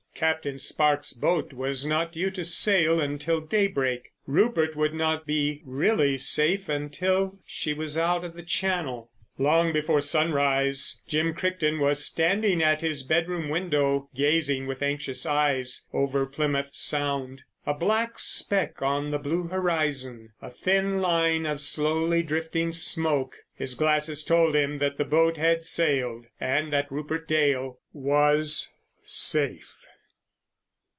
Captain Sparkes' boat was not due to sail until daybreak. Rupert would not be really safe until she was out of the Channel. Long before sunrise Jim Crichton was standing at his bedroom window gazing with anxious eyes over Plymouth Sound. A black speck on the blue horizon; a thin line of slowly drifting smoke! His glasses told him that the boat had sailed, and that Rupert Dale was safe.